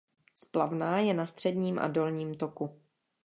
Splavná je na středním a dolním toku.